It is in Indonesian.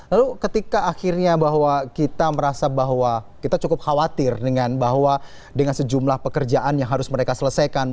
lalu ketika akhirnya bahwa kita merasa bahwa kita cukup khawatir dengan bahwa dengan sejumlah pekerjaan yang harus mereka selesaikan